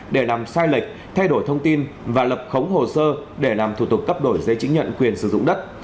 để làm sai lệch thay đổi thông tin và lập khống hồ sơ để làm thủ tục cấp đổi giấy chứng nhận quyền sử dụng đất